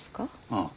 ああ。